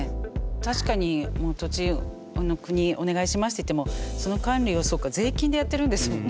確かに土地国へ「お願いします」と言ってもその管理をそっか税金でやっているんですもんね。